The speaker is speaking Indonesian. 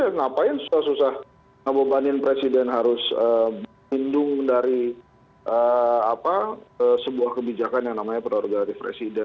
kenapa susah susah membebani presiden harus melindungi dari sebuah kebijakan yang namanya perorbanan presiden